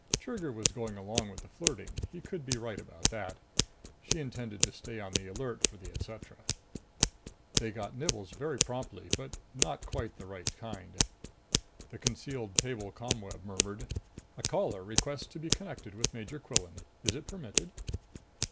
Trigger was going along with the flirting; he could be right about that. She intended to stay on the alert for the etc. They got nibbles very promptly. But not quite the right kind. The concealed table ComWeb murmured, "A caller requests to be connected with Major Quillan. Is it permitted?"